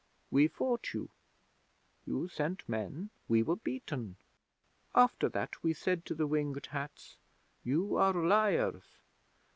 We fought you. You sent men. We were beaten. After that we said to the Winged Hats, 'You are liars!